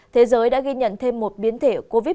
thế giới đã ghi nhận thêm một biến thể covid một mươi chín